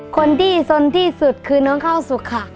คนที่สนที่สุดคือน้องข้าวสุกค่ะ